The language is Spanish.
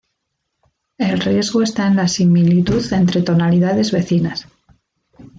El riesgo está en la similitud entre tonalidades vecinas.